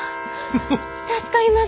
助かります！